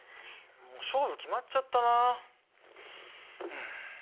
勝負決まっちゃったなあ。